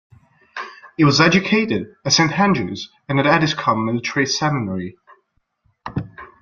He was educated at Saint Andrews and at Addiscombe Military Seminary.